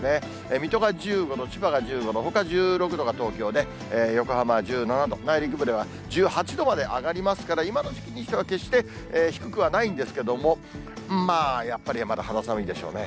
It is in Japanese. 水戸が１５度、千葉が１５度、ほか１６度が東京で、横浜は１７度、内陸部では１８度まで上がりますから、今の時期にしては決して低くはないんですけども、やっぱりまだ肌寒いでしょうね。